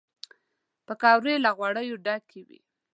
پکورې له غوړیو ډکې وي